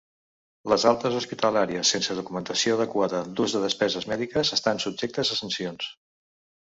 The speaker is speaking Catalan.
Les altes hospitalàries sense documentació adequada d'ús de despeses mèdiques estan subjectes a sancions.